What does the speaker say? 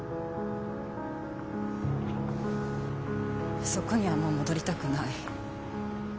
あそこにはもう戻りたくない。